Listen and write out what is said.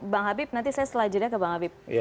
bang habib nanti saya selanjutnya ke bang habib